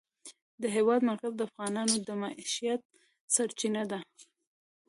د هېواد مرکز د افغانانو د معیشت سرچینه ده.